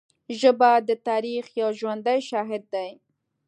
ژبه د تاریخ یو ژوندی شاهد دی